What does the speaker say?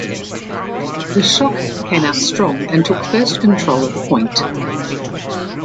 The Shock came out strong and took first control of the point.